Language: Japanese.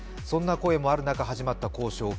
そんな声もある中、始まった交渉。